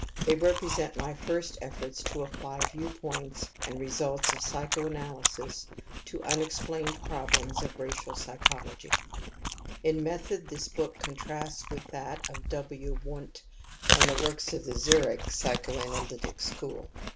They repre sent my first efforts^o apgly view points and results of psych oanalysis to unexpl^n ed prpb Lems of racial psvcholoffv^ In method this W. Wundt and the works of the Zurich Psychoanalytic School.